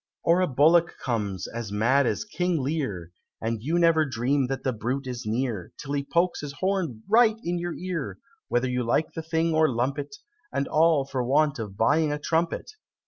Or a bullock comes, as mad as King Lear, And you never dream that the brute is near, Till he pokes his horn right into your ear, Whether you like the thing or lump it, And all for want of buying a trumpet!